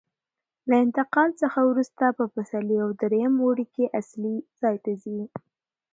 له انتقال څخه وروسته په پسرلي او درېیم اوړي کې اصلي ځای ته ځي.